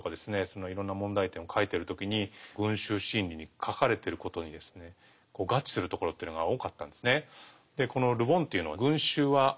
そのいろんな問題点を書いてる時に「群衆心理」に書かれてることに合致するところというのが多かったんですね。